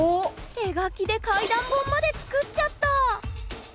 手書きで怪談本まで作っちゃった！